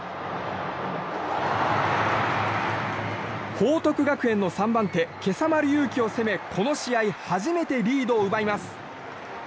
報徳学園の３番手今朝丸裕喜を攻めこの試合、初めてリードを奪います。